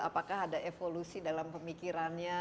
apakah ada evolusi dalam pemikirannya